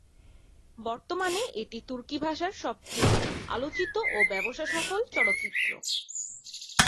বর্তমানে এটি তুর্কী ভাষার সবচেয়ে আলোচিত ও ব্যবসাসফল চলচ্চিত্র।